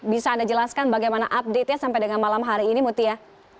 bisa anda jelaskan bagaimana update nya sampai dengan malam hari ini mutia